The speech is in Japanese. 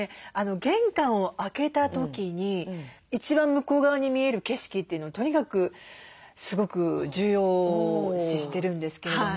玄関を開けた時に一番向こう側に見える景色というのをとにかくすごく重要視してるんですけれども。